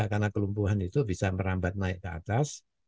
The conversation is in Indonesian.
karena kelumpuhan itu bisa merambat naik ke atas